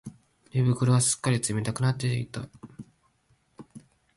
寝袋はすっかり冷たくなっていた